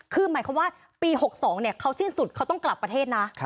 คือหมายความว่าปี๖๒เขาสิ้นสุดเขาต้องกลับประเทศนะ